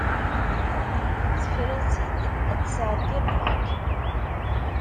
Tefra-tt-id ad tesɛeddi lbak.